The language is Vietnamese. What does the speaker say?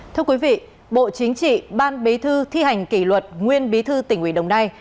thưa quý vị bộ chính trị ban bí thư thi hành kỷ luật nguyên bí thư tỉnh ủy đồng nai